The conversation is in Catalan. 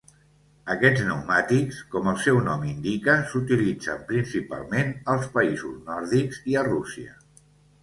Aquests pneumàtics, com el seu nom indica, s'utilitzen principalment als països nòrdics i a Rússia.